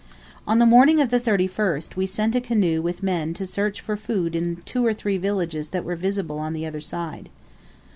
On the morning of the 31st we sent a canoe with men to search for food in the two or three villages that were visible on the other side.